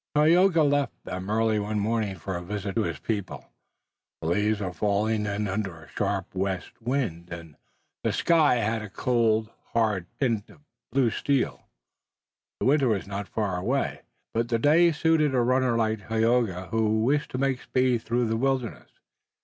Tayoga left them early one morning for a visit to his people. The leaves were falling then under a sharp west wind, and the sky had a cold, hard tint of blue steel. Winter was not far away, but the day suited a runner like Tayoga who wished to make speed through the wilderness.